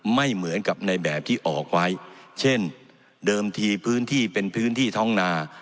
ไม่เหมือนกับในแบบที่ออกไว้เช่นเดิมทีพื้นที่เป็นพื้นที่ท้องนา